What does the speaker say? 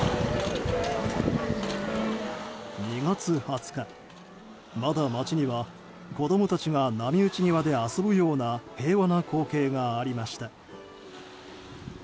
２月２０日、まだ街には子供たちが波打ち際で遊ぶような平和な光景がありました。